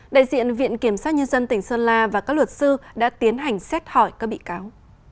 đại diện viện kiểm sát nhân dân tỉnh sơn la và các luật sư đã tiến hành xét hỏi các bị cáo